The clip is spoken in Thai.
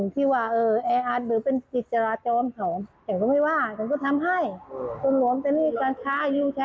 แต่ว่ามันก็นิดน้อยขอ